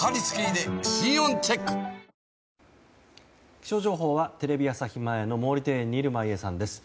気象情報はテレビ朝日前の毛利庭園にいる眞家さんです。